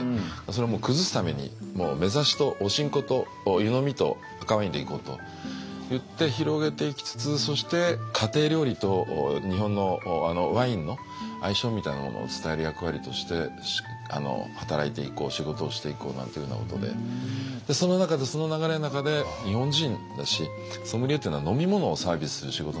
それをもう崩すためにめざしとお新香と湯飲みと赤ワインでいこうといって広げていきつつそして家庭料理と日本のワインの相性みたいなものを伝える役割として働いていこう仕事をしていこうなんていうふうなことでその中でその流れの中で日本人だしソムリエっていうのは飲み物をサービスする仕事なので。